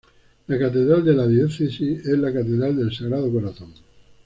La catedral de la diócesis es la Catedral del Sagrado Corazón.